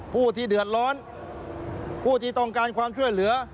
ผู้ที่เดือดร้อนผู้ที่ต้องการความช่วยเหลือ